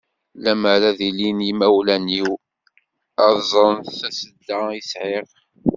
Lemmer ad ilin yimawlan-iw, ad ẓren tasedda i yesɛiɣ.